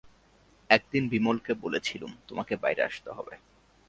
একদিন বিমলকে বলেছিলুম তোমাকে বাইরে আসতে হবে।